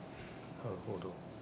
なるほど。